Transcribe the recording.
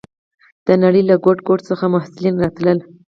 د نړۍ له ګوټ ګوټ څخه محصلین راتلل.